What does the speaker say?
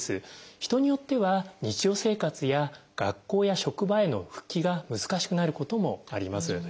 人によっては日常生活や学校や職場への復帰が難しくなることもあります。